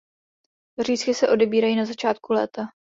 Řízky se odebírají na začátku léta.